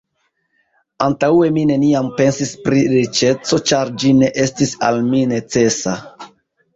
Antaŭe mi neniam pensis pri riĉeco, ĉar ĝi ne estis al mi necesa.